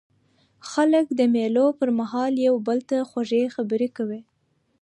خلک د مېلو پر مهال یو بل ته خوږې خبري کوي.